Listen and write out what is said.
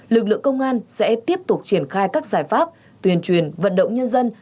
lực lượng công an sẽ tiếp tục triển khai các giải pháp tuyên truyền vận động nhân dân